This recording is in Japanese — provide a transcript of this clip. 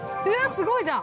◆すごいじゃん！